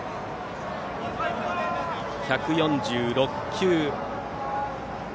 １４６球。